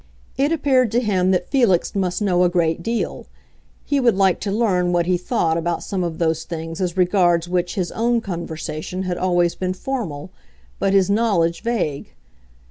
It appeared to him that Felix must know a great deal; he would like to learn what he thought about some of those things as regards which his own conversation had always been formal, but his knowledge vague.